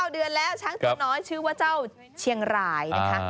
เดือนแล้วช้างตัวน้อยชื่อว่าเจ้าเชียงรายนะคะ